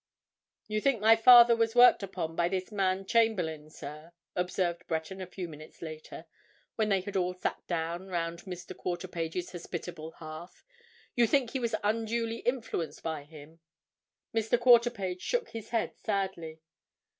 "You think my father was worked upon by this man Chamberlayne, sir?" observed Breton a few minutes later when they had all sat down round Mr. Quarterpage's hospitable hearth. "You think he was unduly influenced by him?" Mr. Quarterpage shook his head sadly.